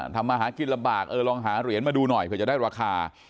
ทำมาหากินลำบากเออลองหาเหรียญมาดูหน่อยเผื่อจะได้ราคา